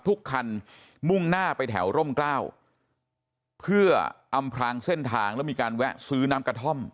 ทุกคันมุ่งหน้าไปแถวร่มกล้าเพื่ออำพลางเส้นทางแล้วมีการแวะซื้อน้ำกระท่อม